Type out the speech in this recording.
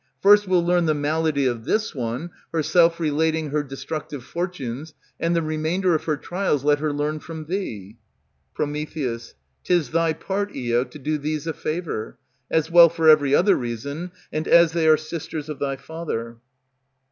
First we'll learn the malady of this one, Herself relating her destructive fortunes, And the remainder of her trials let her learn from thee. Pr. 'T is thy part, Io, to do these a favor, As well for every other reason, and as they are sisters of thy father.